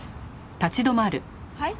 はい？